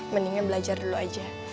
mendingan belajar dulu aja